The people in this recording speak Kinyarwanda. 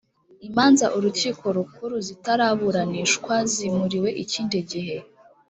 imanza urukiko rukuru zitaraburanishwa zimuriwe ikindi gihe